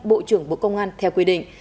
bộ trưởng bộ công an theo quyết định